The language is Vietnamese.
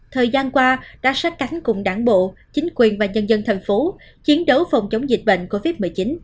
thời gian qua đã sát cánh cùng đảng bộ chính quyền và nhân dân thành phố chiến đấu phòng chống dịch bệnh covid một mươi chín